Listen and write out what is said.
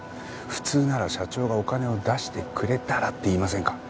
普通なら「社長がお金を出してくれたら」って言いませんか？